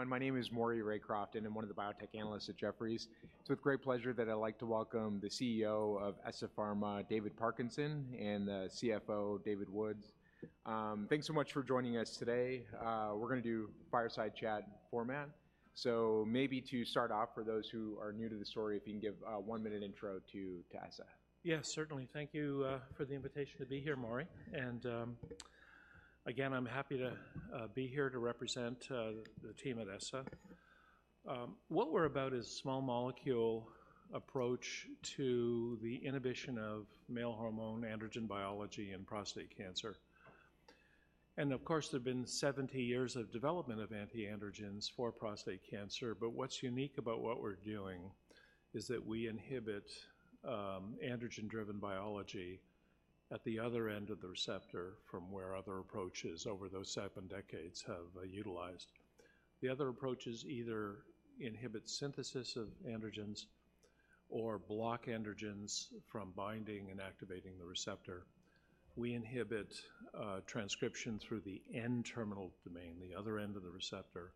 Everyone, my name is Maury Raycroft, and I'm one of the biotech analysts at Jefferies. It's with great pleasure that I'd like to welcome the CEO of ESSA Pharma, David Parkinson, and the CFO, David Wood. Thanks so much for joining us today. We're gonna do fireside chat format. So maybe to start off, for those who are new to the story, if you can give a one-minute intro to ESSA. Yes, certainly. Thank you for the invitation to be here, Maury, and again, I'm happy to be here to represent the team at ESSA. What we're about is small molecule approach to the inhibition of male hormone androgen biology and prostate cancer. And, of course, there've been 70 years of development of anti-androgens for prostate cancer, but what's unique about what we're doing is that we inhibit androgen-driven biology at the other end of the receptor from where other approaches over those seven decades have utilized. The other approaches either inhibit synthesis of androgens or block androgens from binding and activating the receptor. We inhibit transcription through the N-terminal domain, the other end of the receptor.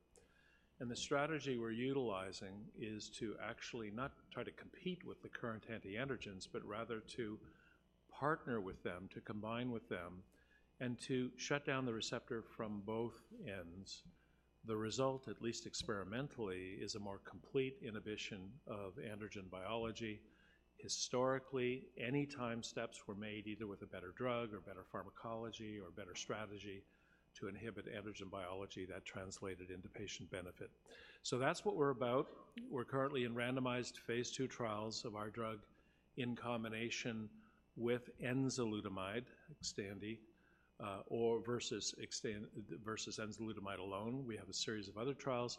The strategy we're utilizing is to actually not try to compete with the current anti-androgens, but rather to partner with them, to combine with them, and to shut down the receptor from both ends. The result, at least experimentally, is a more complete inhibition of androgen biology. Historically, any time steps were made, either with a better drug or better pharmacology or better strategy to inhibit androgen biology, that translated into patient benefit. That's what we're about. We're currently in randomized phase 2 trials of our drug in combination with enzalutamide, Xtandi, or versus enzalutamide alone. We have a series of other trials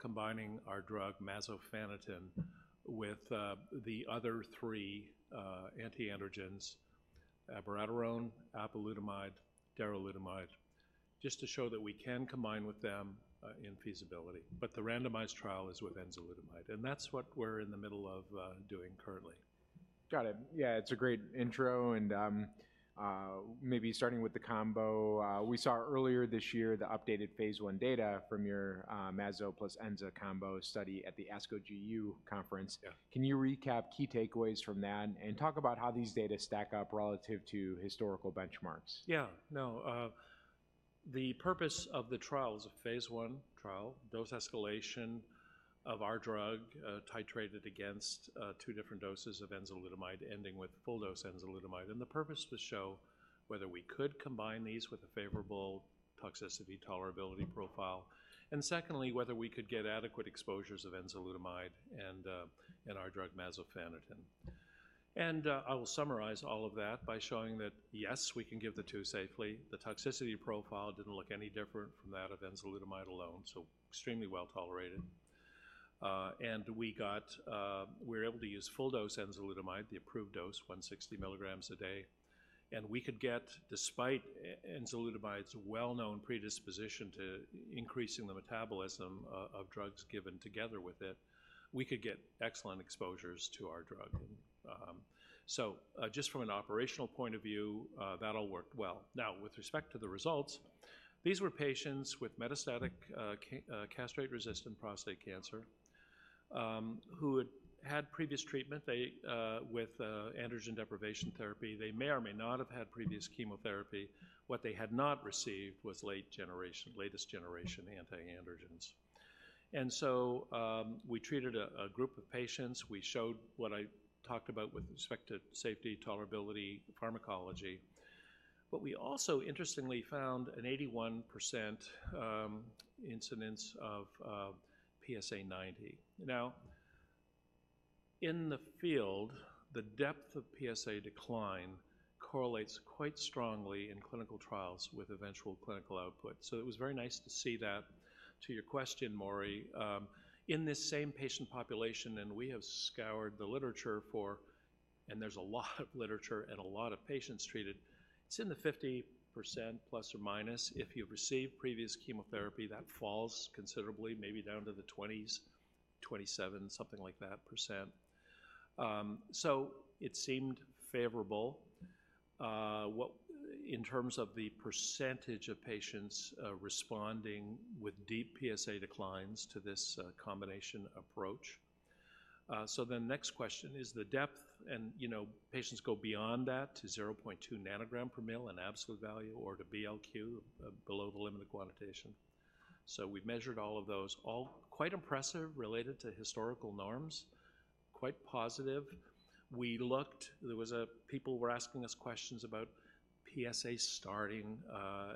combining our drug, masofaniten, with the other 3 anti-androgens, abiraterone, apalutamide, darolutamide, just to show that we can combine with them in feasibility. But the randomized trial is with enzalutamide, and that's what we're in the middle of doing currently. Got it. Yeah, it's a great intro and, maybe starting with the combo, we saw earlier this year the updated phase 1 data from your mazo plus enza combo study at the ASCO GU conference. Yeah. Can you recap key takeaways from that and talk about how these data stack up relative to historical benchmarks? Yeah. No, the purpose of the trial is a phase 1 trial, dose escalation of our drug, titrated against two different doses of enzalutamide, ending with full dose enzalutamide. The purpose is to show whether we could combine these with a favorable toxicity tolerability profile, and secondly, whether we could get adequate exposures of enzalutamide and our drug, masofaniten. I will summarize all of that by showing that, yes, we can give the two safely. The toxicity profile didn't look any different from that of enzalutamide alone, so extremely well-tolerated. We were able to use full dose enzalutamide, the approved dose, 160 milligrams a day, and we could get, despite enzalutamide's well-known predisposition to increasing the metabolism of drugs given together with it, excellent exposures to our drug. So, just from an operational point of view, that all worked well. Now, with respect to the results, these were patients with metastatic castration-resistant prostate cancer, who had had previous treatment. They with androgen deprivation therapy, they may or may not have had previous chemotherapy. What they had not received was latest generation anti-androgens. And so, we treated a group of patients. We showed what I talked about with respect to safety, tolerability, pharmacology. But we also interestingly found an 81% incidence of PSA90. Now, in the field, the depth of PSA decline correlates quite strongly in clinical trials with eventual clinical output, so it was very nice to see that. To your question, Maury, in this same patient population, and we have scoured the literature for, and there's a lot of literature and a lot of patients treated, it's in the 50%, plus or minus. If you've received previous chemotherapy, that falls considerably, maybe down to the 20s, 27, something like that %. So it seemed favorable in terms of the percentage of patients responding with deep PSA declines to this combination approach. So the next question: Is the depth and, you know, patients go beyond that to 0.2 nanogram per mL in absolute value or to BLQ, below the limit of quantitation. So we measured all of those, all quite impressive, related to historical norms, quite positive. We looked... People were asking us questions about PSA starting,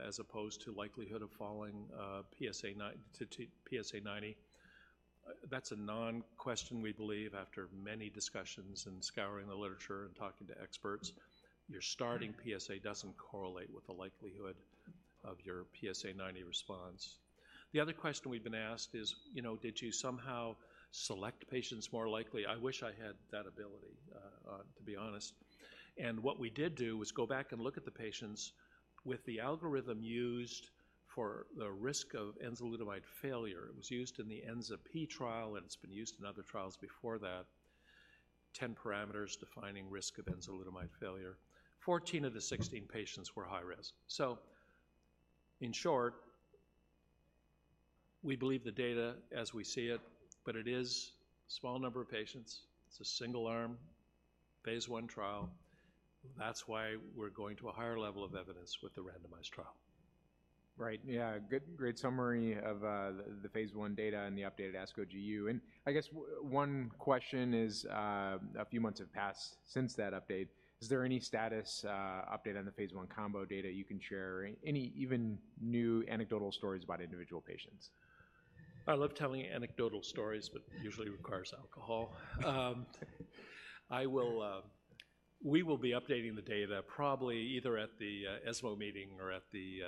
as opposed to likelihood of falling, PSA 90. That's a non-question, we believe, after many discussions and scouring the literature and talking to experts. Your starting PSA doesn't correlate with the likelihood of your PSA 90 response. The other question we've been asked is, you know: Did you somehow select patients more likely? I wish I had that ability, to be honest. And what we did do was go back and look at the patients with the algorithm used for the risk of enzalutamide failure. It was used in the ENZAMET trial, and it's been used in other trials before that. 10 parameters defining risk of enzalutamide failure. 14 of the 16 patients were high risk. So, in short, we believe the data as we see it, but it is a small number of patients. It's a single arm, phase one trial. That's why we're going to a higher level of evidence with the randomized trial. Right. Yeah. Good, great summary of the phase one data and the updated ASCO GU. I guess one question is, a few months have passed since that update. Is there any status update on the phase one combo data you can share? Any even new anecdotal stories about individual patients? I love telling anecdotal stories, but usually requires alcohol. I will, we will be updating the data probably either at the ESMO meeting or at the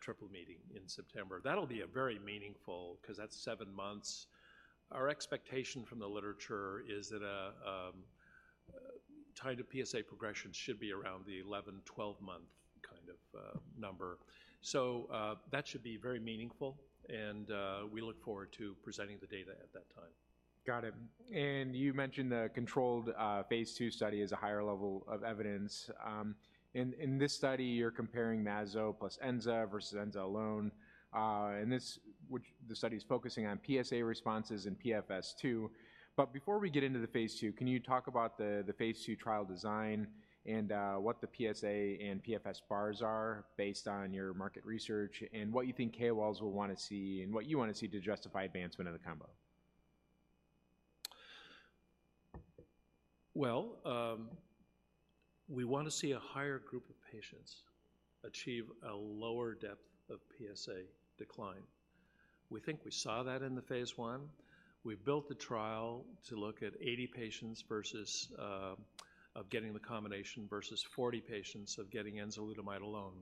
Triple Meeting in September. That'll be a very meaningful—'cause that's seven months. Our expectation from the literature is that a time to PSA progression should be around the 11, 12-month kind of number. So, that should be very meaningful, and, we look forward to presenting the data at that time. Got it. And you mentioned the controlled phase 2 study is a higher level of evidence. In this study, you're comparing mazo plus enza versus enza alone, and this—which the study is focusing on PSA responses and PFS-2. But before we get into the phase 2, can you talk about the phase 2 trial design and what the PSA and PFS bars are based on your market research, and what you think KOLs will want to see, and what you want to see to justify advancement of the combo? Well, we want to see a higher group of patients achieve a lower depth of PSA decline. We think we saw that in the phase 1. We've built the trial to look at 80 patients versus of getting the combination versus 40 patients of getting enzalutamide alone.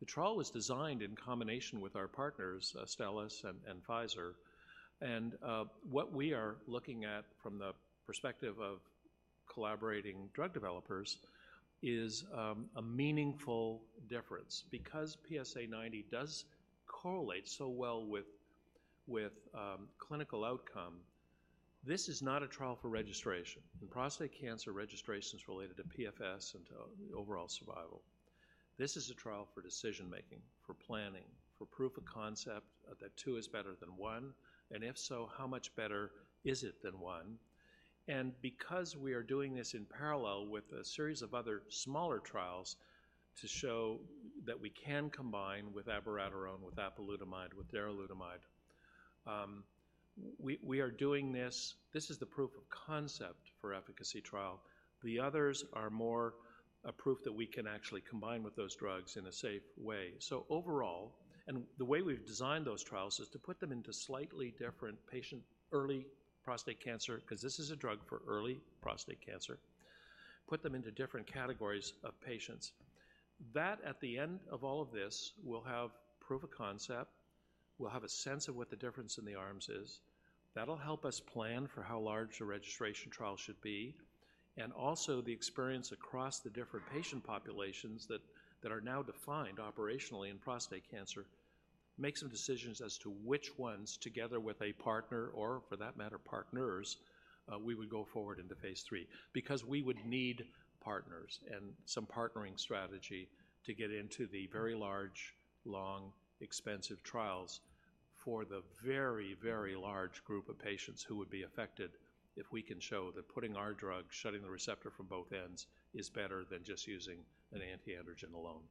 The trial was designed in combination with our partners, Astellas and Pfizer. And what we are looking at from the perspective of collaborating drug developers is a meaningful difference. Because PSA 90 does correlate so well with clinical outcome, this is not a trial for registration. Mm-hmm. The prostate cancer registration is related to PFS and overall survival. This is a trial for decision making, for planning, for proof of concept, that two is better than one, and if so, how much better is it than one? And because we are doing this in parallel with a series of other smaller trials to show that we can combine with abiraterone, with apalutamide, with darolutamide, we are doing this... This is the proof of concept for efficacy trial. The others are more a proof that we can actually combine with those drugs in a safe way. So overall, and the way we've designed those trials is to put them into slightly different patient, early prostate cancer, 'cause this is a drug for early prostate cancer, put them into different categories of patients. That, at the end of all of this, we'll have proof of concept. We'll have a sense of what the difference in the arms is. That'll help us plan for how large a registration trial should be, and also the experience across the different patient populations that are now defined operationally in prostate cancer, make some decisions as to which ones, together with a partner or, for that matter, partners, we would go forward into phase 3. Because we would need partners and some partnering strategy to get into the very large, long, expensive trials for the very, very large group of patients who would be affected if we can show that putting our drug, shutting the receptor from both ends, is better than just using an anti-androgen alone.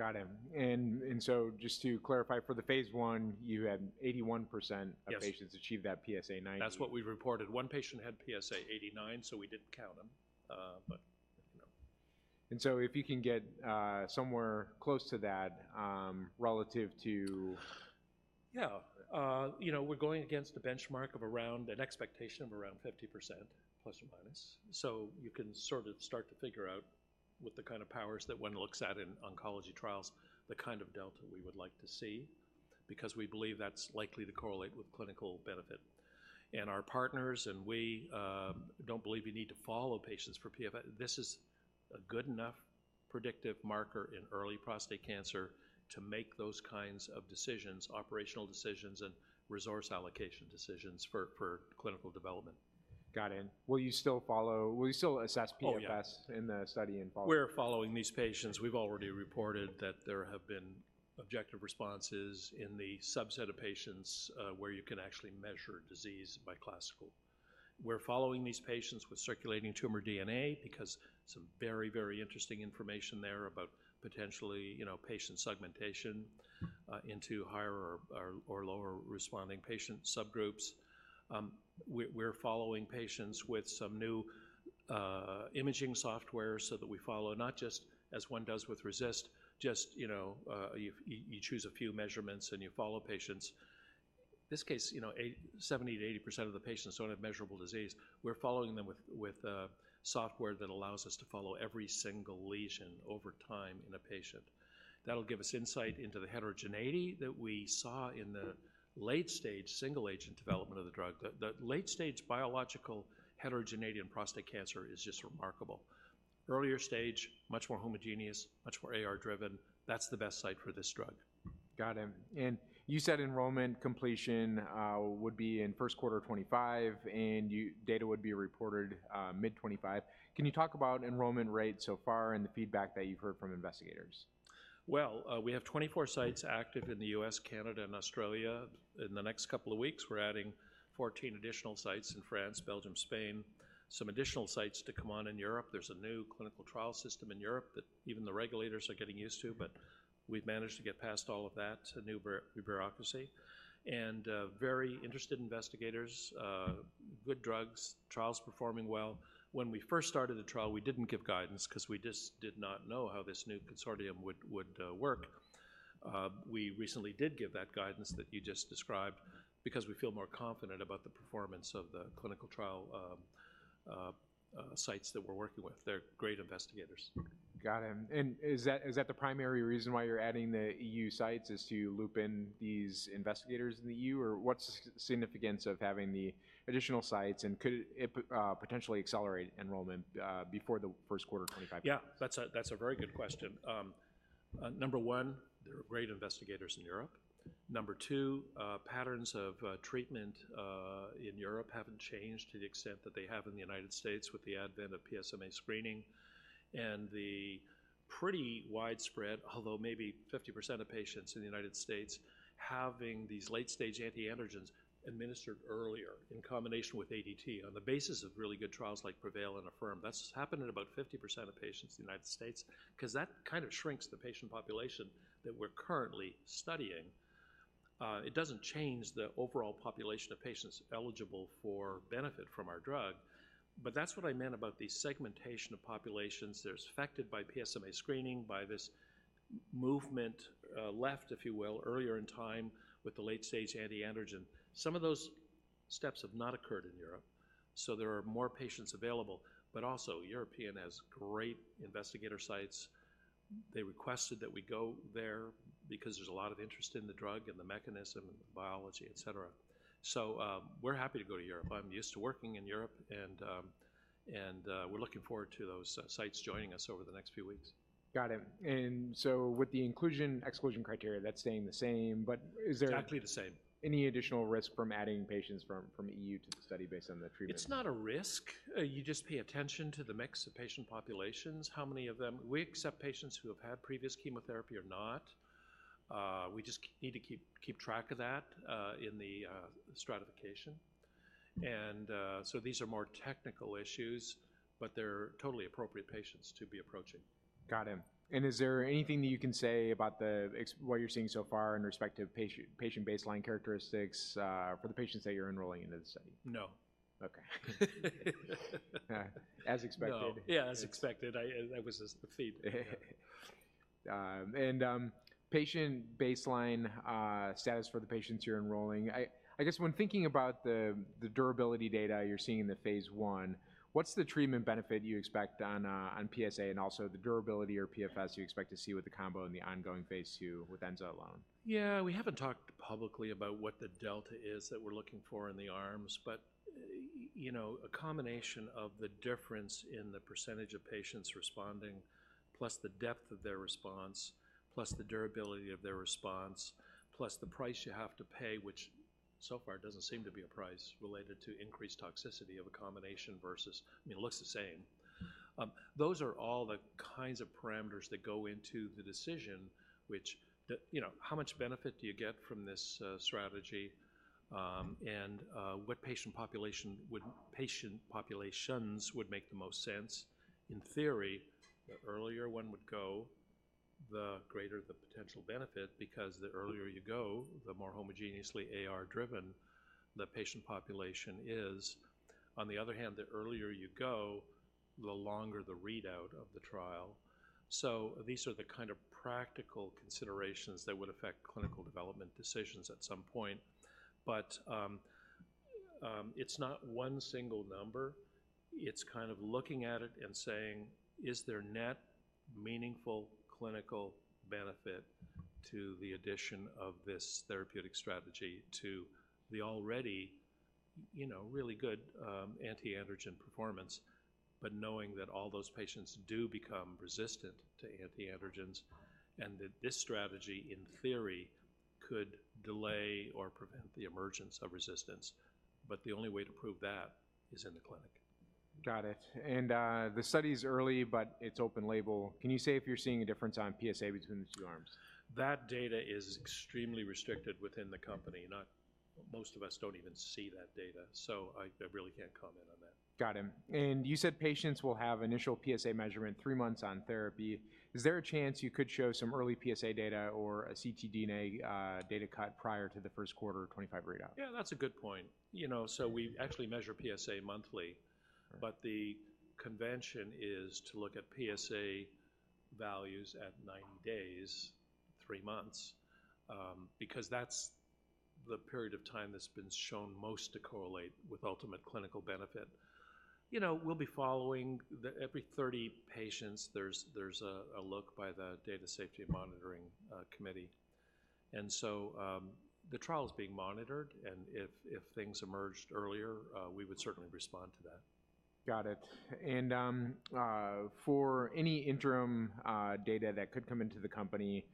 Got it. And so just to clarify, for the phase one, you had 81%- Yes. of patients achieve that PSA90. That's what we reported. One patient had PSA 89, so we didn't count him, but, you know. And so if you can get somewhere close to that relative to- Yeah. You know, we're going against a benchmark of around an expectation of around 50%, ±. So you can sort of start to figure out with the kind of powers that one looks at in oncology trials, the kind of delta we would like to see, because we believe that's likely to correlate with clinical benefit. And our partners, and we, don't believe you need to follow patients for PFS. This is a good enough predictive marker in early prostate cancer to make those kinds of decisions, operational decisions and resource allocation decisions for clinical development. Got it. Will you still assess PFS? Oh, yeah in the study and follow? We're following these patients. We've already reported that there have been objective responses in the subset of patients, where you can actually measure disease by RECIST. We're following these patients with circulating tumor DNA because some very, very interesting information there about potentially, you know, patient segmentation into higher or lower responding patient subgroups. We're following patients with some new imaging software so that we follow not just as one does with RECIST, just, you know, you choose a few measurements, and you follow patients. In this case, you know, 70%-80% of the patients don't have measurable disease. We're following them with software that allows us to follow every single lesion over time in a patient. That'll give us insight into the heterogeneity that we saw in the late stage, single agent development of the drug. The late stage biological heterogeneity in prostate cancer is just remarkable. Earlier stage, much more homogeneous, much more AR-driven. That's the best site for this drug.... Got it. And you said enrollment completion would be in first quarter 2025, and data would be reported mid-2025. Can you talk about enrollment rates so far and the feedback that you've heard from investigators? Well, we have 24 sites active in the U.S., Canada, and Australia. In the next couple of weeks, we're adding 14 additional sites in France, Belgium, Spain, some additional sites to come on in Europe. There's a new clinical trial system in Europe that even the regulators are getting used to, but we've managed to get past all of that, the new bureaucracy, and very interested investigators, good drugs, trials performing well. When we first started the trial, we didn't give guidance 'cause we just did not know how this new consortium would work. We recently did give that guidance that you just described because we feel more confident about the performance of the clinical trial sites that we're working with. They're great investigators. Got it. Is that the primary reason why you're adding the EU sites, is to loop in these investigators in the EU? Or what's the significance of having the additional sites, and could it potentially accelerate enrollment before the first quarter of 2025? Yeah, that's a very good question. Number one, there are great investigators in Europe. Number two, patterns of treatment in Europe haven't changed to the extent that they have in the United States with the advent of PSMA screening and the pretty widespread, although maybe 50% of patients in the United States, having these late-stage anti-androgens administered earlier in combination with ADT on the basis of really good trials like PREVAIL and AFFIRM. That's happened in about 50% of patients in the United States, 'cause that kind of shrinks the patient population that we're currently studying. It doesn't change the overall population of patients eligible for benefit from our drug, but that's what I meant about the segmentation of populations that's affected by PSMA screening, by this movement, left, if you will, earlier in time with the late-stage anti-androgen. Some of those steps have not occurred in Europe, so there are more patients available. But also, Europe has great investigator sites. They requested that we go there because there's a lot of interest in the drug and the mechanism, biology, et cetera. So, we're happy to go to Europe. I'm used to working in Europe, and we're looking forward to those sites joining us over the next few weeks. Got it. And so with the inclusion/exclusion criteria, that's staying the same, but is there- Exactly the same. ... any additional risk from adding patients from EU to the study based on the treatment? It's not a risk. You just pay attention to the mix of patient populations, how many of them... We accept patients who have had previous chemotherapy or not. We just need to keep track of that in the stratification. And so these are more technical issues, but they're totally appropriate patients to be approaching. Got it. And is there anything that you can say about what you're seeing so far in respective patient baseline characteristics for the patients that you're enrolling into the study? No. Okay. As expected. No. Yeah, as expected. I, that was just the feedback. And patient baseline status for the patients you're enrolling, I guess when thinking about the durability data you're seeing in the phase one, what's the treatment benefit you expect on PSA and also the durability or PFS you expect to see with the combo in the ongoing phase two with enza alone? Yeah, we haven't talked publicly about what the delta is that we're looking for in the arms. But, you know, a combination of the difference in the percentage of patients responding, plus the depth of their response, plus the durability of their response, plus the price you have to pay, which so far doesn't seem to be a price related to increased toxicity of a combination versus... I mean, it looks the same. Those are all the kinds of parameters that go into the decision, which you know, how much benefit do you get from this strategy, and what patient populations would make the most sense? In theory, the earlier one would go, the greater the potential benefit, because the earlier you go, the more homogeneously AR-driven the patient population is. On the other hand, the earlier you go, the longer the readout of the trial. So these are the kind of practical considerations that would affect clinical development decisions at some point. But, it's not one single number. It's kind of looking at it and saying: Is there net meaningful clinical benefit to the addition of this therapeutic strategy to the already, you know, really good, anti-androgen performance? But knowing that all those patients do become resistant to anti-androgens and that this strategy, in theory, could delay or prevent the emergence of resistance. But the only way to prove that is in the clinic. Got it. And the study's early, but it's open label. Can you say if you're seeing a difference on PSA between the two arms? That data is extremely restricted within the company. Not most of us don't even see that data, so I, I really can't comment on that. Got it. And you said patients will have initial PSA measurement three months on therapy. Is there a chance you could show some early PSA data or a ctDNA data cut prior to the first quarter of 2025 readout? Yeah, that's a good point. You know, so we actually measure PSA monthly. Right. But the convention is to look at PSA values at 90 days, 3 months, because that's the period of time that's been shown most to correlate with ultimate clinical benefit. You know, we'll be following the... Every 30 patients, there's a look by the Data Safety Monitoring Committee. And so, the trial is being monitored, and if things emerged earlier, we would certainly respond to that. ... Got it. And for any interim data that could come into the company,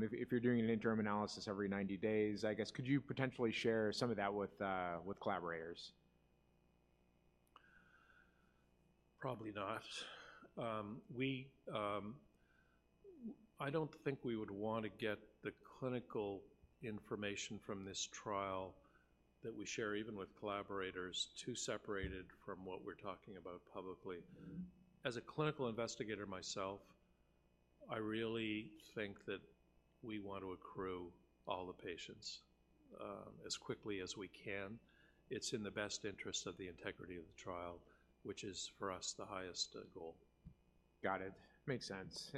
if you're doing an interim analysis every 90 days, I guess, could you potentially share some of that with collaborators? Probably not. I don't think we would want to get the clinical information from this trial that we share, even with collaborators, too separated from what we're talking about publicly. Mm-hmm. As a clinical investigator myself, I really think that we want to accrue all the patients, as quickly as we can. It's in the best interest of the integrity of the trial, which is, for us, the highest goal. Got it. Makes sense.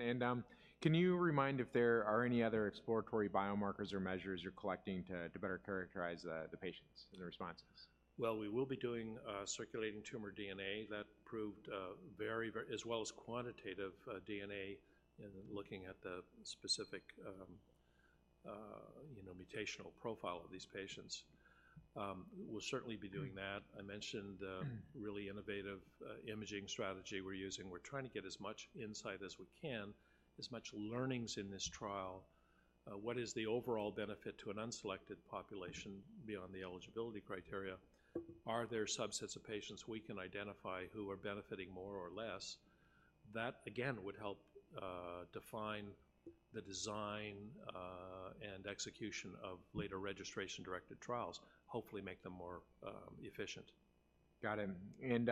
Can you remind if there are any other exploratory biomarkers or measures you're collecting to better characterize the patients and their responses? Well, we will be doing circulating tumor DNA that proved very, very—as well as quantitative DNA in looking at the specific, you know, mutational profile of these patients. We'll certainly be doing that. Mm-hmm. I mentioned, Mm-hmm... really innovative, imaging strategy we're using. We're trying to get as much insight as we can, as much learnings in this trial. What is the overall benefit to an unselected population? Mm-hmm Beyond the eligibility criteria? Are there subsets of patients we can identify who are benefiting more or less? That, again, would help define the design and execution of later registration-directed trials, hopefully make them more efficient. Got it. And,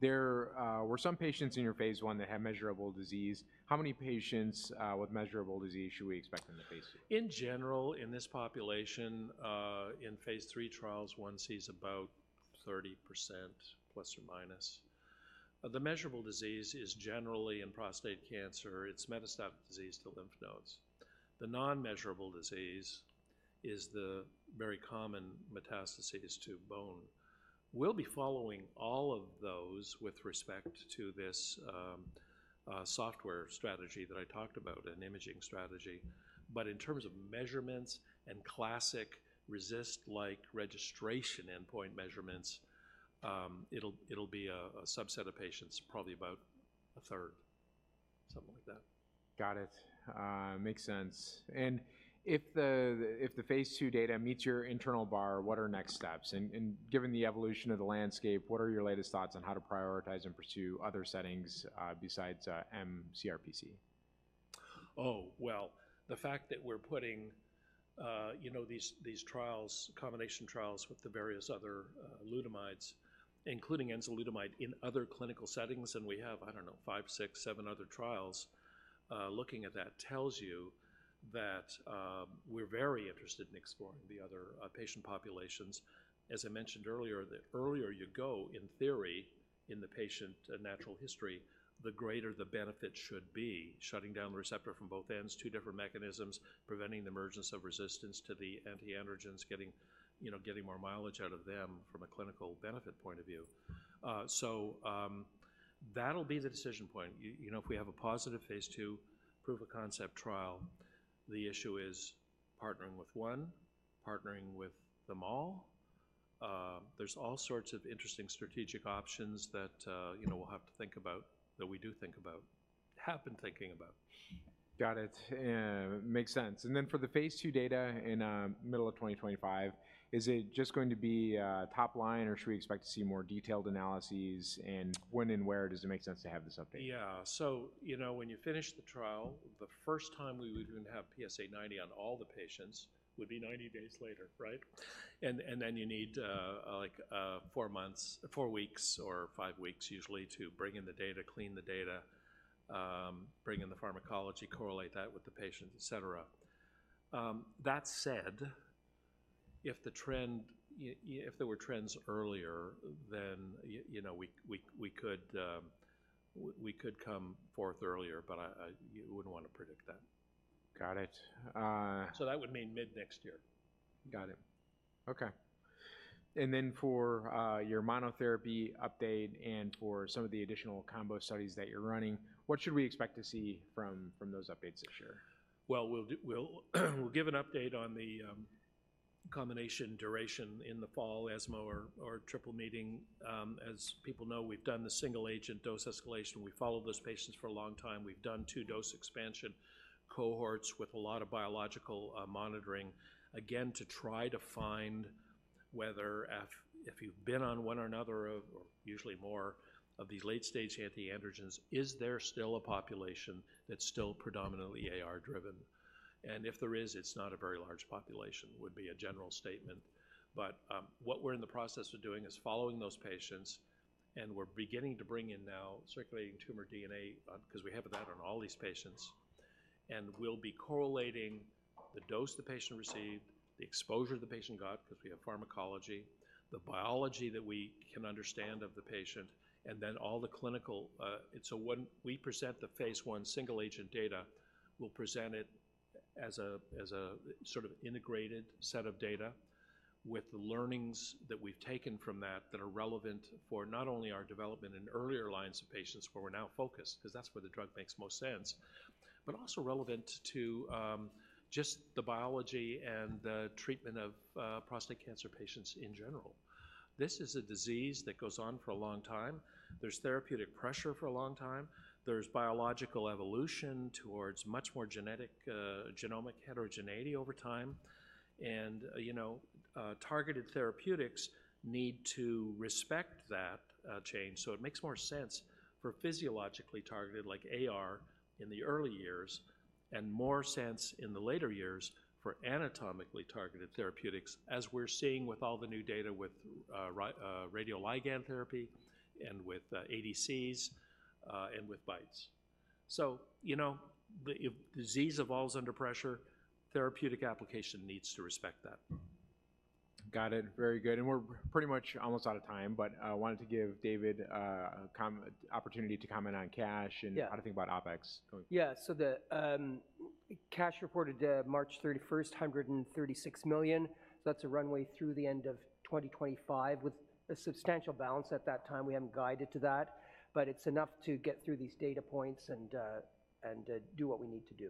there were some patients in your phase I that had measurable disease. How many patients with measurable disease should we expect in the phase II? In general, in this population, in phase III trials, one sees about 30%, plus or minus. The measurable disease is generally in prostate cancer. It's metastatic disease to lymph nodes. The non-measurable disease is the very common metastases to bone. We'll be following all of those with respect to this software strategy that I talked about and imaging strategy. But in terms of measurements and classic RECIST-like registration endpoint measurements, it'll, it'll be a, a subset of patients, probably about a third, something like that. Got it. Makes sense. And if the Phase II data meets your internal bar, what are next steps? And given the evolution of the landscape, what are your latest thoughts on how to prioritize and pursue other settings besides mCRPC? Oh, well, the fact that we're putting, you know, these, these trials, combination trials with the various other, lutamides, including enzalutamide, in other clinical settings, and we have, I don't know, five, six, seven other trials, looking at that, tells you that, we're very interested in exploring the other, patient populations. As I mentioned earlier, the earlier you go, in theory, in the patient, natural history, the greater the benefit should be, shutting down the receptor from both ends, two different mechanisms, preventing the emergence of resistance to the anti-androgens, getting, you know, getting more mileage out of them from a clinical benefit point of view. So, that'll be the decision point. You know, if we have a positive Phase II proof of concept trial, the issue is partnering with one, partnering with them all. There's all sorts of interesting strategic options that, you know, we'll have to think about, that we do think about, have been thinking about. Got it. Makes sense. And then for the Phase II data in the middle of 2025, is it just going to be top line, or should we expect to see more detailed analyses? And when and where does it make sense to have this update? Yeah. So, you know, when you finish the trial, the first time we would even have PSA 90 on all the patients would be 90 days later, right? And then you need, like, four weeks or five weeks usually to bring in the data, clean the data, bring in the pharmacology, correlate that with the patient, et cetera. That said, if the trend, if there were trends earlier, then you know, we could come forth earlier, but I wouldn't want to predict that. Got it. That would mean mid-next year. Got it. Okay. And then for your monotherapy update and for some of the additional combo studies that you're running, what should we expect to see from those updates this year? Well, we'll give an update on the combination duration in the fall ESMO or triple meeting. As people know, we've done the single-agent dose escalation. We followed those patients for a long time. We've done two dose expansion cohorts with a lot of biological monitoring, again, to try to find whether if you've been on one or another of, usually more, of these late-stage anti-androgens, is there still a population that's still predominantly AR-driven? And if there is, it's not a very large population, would be a general statement. But what we're in the process of doing is following those patients, and we're beginning to bring in now circulating tumor DNA because we have that on all these patients. We'll be correlating the dose the patient received, the exposure the patient got, because we have pharmacology, the biology that we can understand of the patient, and then all the clinical. So when we present the phase I single-agent data, we'll present it as a sort of integrated set of data with the learnings that we've taken from that that are relevant for not only our development in earlier lines of patients, where we're now focused, because that's where the drug makes most sense, but also relevant to just the biology and the treatment of prostate cancer patients in general. This is a disease that goes on for a long time. There's therapeutic pressure for a long time. There's biological evolution towards much more genetic genomic heterogeneity over time. And, you know, targeted therapeutics need to respect that change. So it makes more sense for physiologically targeted, like AR in the early years, and more sense in the later years for anatomically targeted therapeutics, as we're seeing with all the new data with radioligand therapy and with ADCs, and with BiTEs. So, you know, the disease evolves under pressure, therapeutic application needs to respect that. Got it. Very good, and we're pretty much almost out of time, but I wanted to give David a opportunity to comment on cash- Yeah. -and how to think about OpEx. Yeah. So the cash reported March 31st, $136 million. So that's a runway through the end of 2025 with a substantial balance at that time. We haven't guided to that, but it's enough to get through these data points and do what we need to do.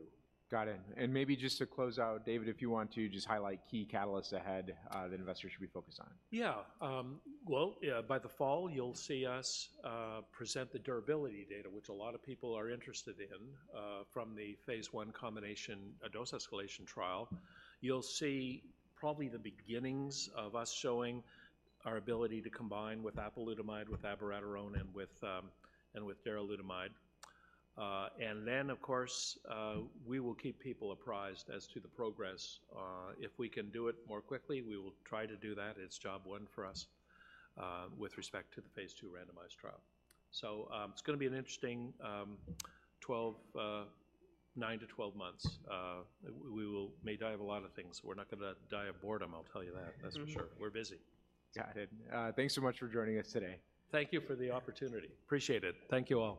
Got it. And maybe just to close out, David, if you want to just highlight key catalysts ahead, that investors should be focused on. Yeah. Well, yeah, by the fall, you'll see us present the durability data, which a lot of people are interested in, from the phase one combination, a dose escalation trial. You'll see probably the beginnings of us showing our ability to combine with apalutamide, with abiraterone, and with and with darolutamide. And then, of course, we will keep people apprised as to the progress. If we can do it more quickly, we will try to do that. It's job one for us with respect to the phase two randomized trial. So, it's going to be an interesting 9-12 months. We will may die a lot of things. We're not going to die of boredom, I'll tell you that. That's for sure. We're busy. Got it. Thanks so much for joining us today. Thank you for the opportunity. Appreciate it. Thank you, all.